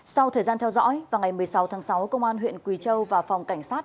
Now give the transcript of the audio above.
sau thời gian theo dõi vào ngày một mươi sáu tháng sáu công an huyện quỳ châu và phòng cảnh sát